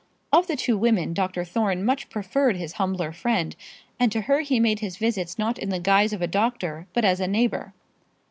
Of the two women Dr. Thorne much preferred his humbler friend, and to her he made his visits not in the guise of a doctor, but as a neighbour.